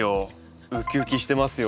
ウキウキしてますよ。